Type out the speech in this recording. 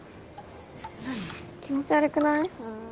気持ち悪くない？